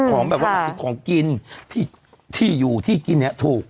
ของแบบว่าของกินที่อยู่ที่กินเนี่ยถูก